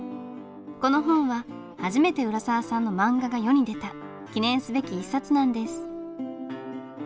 この本は初めて浦沢さんの漫画が世に出た記念すべき一冊なんです。